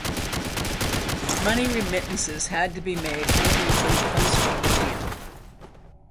Money remittances had to be made only through postal medium.